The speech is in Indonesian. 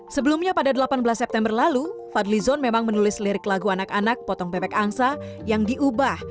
sebelumnya pada delapan belas september lalu fadli zon memang menulis lirik lagu anak anak potong bebek angsa yang diubah